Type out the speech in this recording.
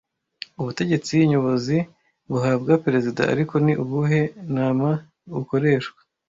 Ubutegetsi nyobozi buhabwa Perezida ariko ni ubuhe nama bukoreshwa